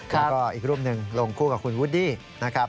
แล้วก็อีกรูปหนึ่งลงคู่กับคุณวูดดี้นะครับ